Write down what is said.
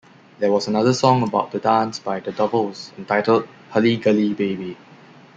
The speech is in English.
There was another song about the dance by the Dovells, entitled "Hully Gully Baby".